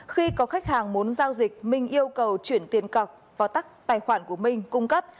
khi có khách hàng muốn giao dịch minh yêu cầu chuyển tiền cọc vào tắc tài khoản của minh cung cấp